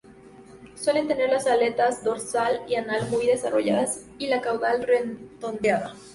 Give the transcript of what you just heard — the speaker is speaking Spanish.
Suelen tener las aletas dorsal y anal muy desarrolladas, y la caudal redondeada.